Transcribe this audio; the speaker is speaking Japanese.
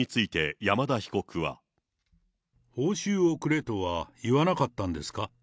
報酬をくれとは言わなかったんですか？